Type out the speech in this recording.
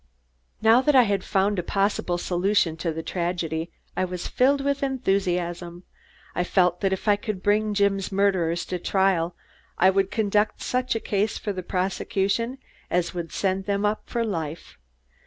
Now that I had found a possible solution to the tragedy, I was filled with enthusiasm. I felt that if I could bring Jim's murderers to trial, I would conduct such a case for the prosecution as would send them up for life.